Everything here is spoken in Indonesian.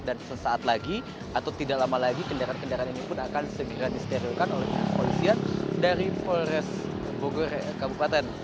dan sesaat lagi atau tidak lama lagi kendaraan kendaraan ini pun akan segera disterilkan oleh polisian dari polres bogor kabupaten